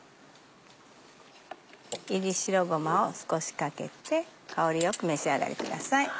炒り白ごまを少しかけて香りよく召し上がりください。